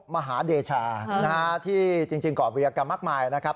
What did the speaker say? มหาเดชาฮะนะฮะที่จริงจริงก่อวิทยากรรมมากมายนะครับ